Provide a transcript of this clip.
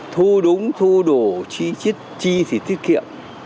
thu đúng thu đổ chi thì tiết kiệm